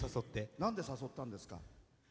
なんで誘ったんですか？